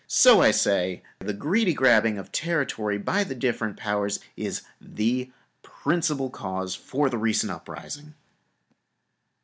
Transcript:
So, I say, the greedy grabbing for territory by the different Powers is the principal cause for the recent uprising.